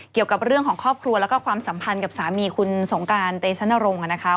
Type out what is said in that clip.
เกี่ยวกับเรื่องของครอบครัวแล้วก็ความสัมพันธ์กับสามีคุณสงการเตชนรงค์นะคะ